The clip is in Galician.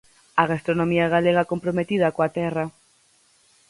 A gastronomía galega comprometida coa terra.